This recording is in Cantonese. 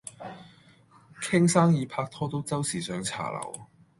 傾生意拍拖都周時上茶樓